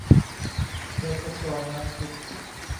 บจก.น้ำทิพย์